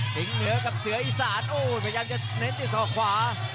สิงเหลือกับเสืออิสานโอ้พยายามจะเน้นที่ส่อขวา